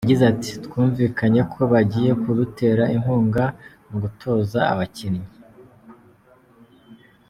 Yagize ati “Twumvikanye ko bagiye kudutera inkunga mu gutoza abakinnyi.